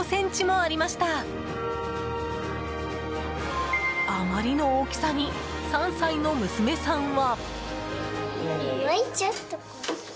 あまりの大きさに３歳の娘さんは。